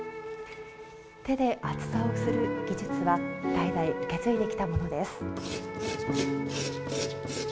手で厚さを知る技術は代々受け継いできたものです。